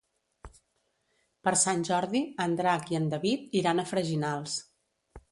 Per Sant Jordi en Drac i en David iran a Freginals.